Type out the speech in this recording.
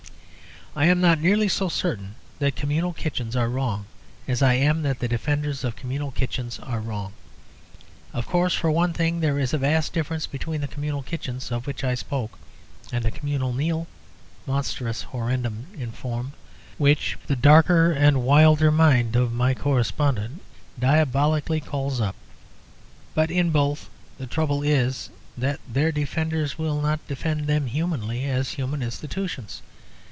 I am not nearly so certain that communal kitchens are wrong as I am that the defenders of communal kitchens are wrong. Of course, for one thing, there is a vast difference between the communal kitchens of which I spoke and the communal meal (monstrum horrendum, informe) which the darker and wilder mind of my correspondent diabolically calls up. But in both the trouble is that their defenders will not defend them humanly as human institutions.